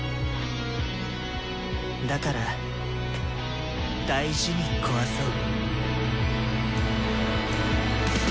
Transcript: だから大事に壊そう。